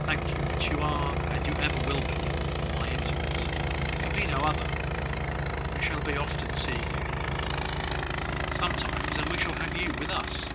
"Thank you; but you are, and ever will be, my intimate. There can be no other. We shall be often seeing you here." "Sometimes; and we shall have you with us."